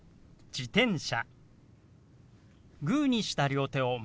「自転車」。